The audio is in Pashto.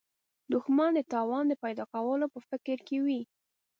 دښمن د تاوان د پیدا کولو په فکر کې وي